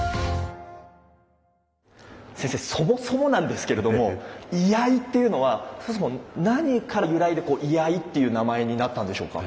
先生そもそもなんですけれども「居合」っていうのは何から由来で居合っていう名前になったんでしょうか？